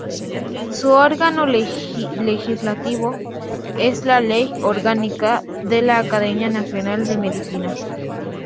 Su órgano legislativo es la Ley Orgánica de la Academia Nacional de Medicina.